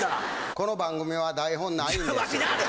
この番組は台本ないんです。